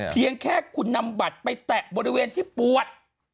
เพียงแค่คุณนำบัตรไปแตะบริเวณที่ปวด